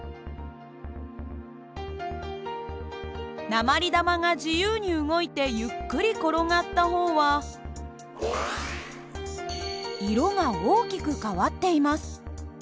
鉛玉が自由に動いてゆっくり転がった方は色が大きく変わっています。